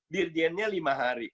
dirjennya lima hari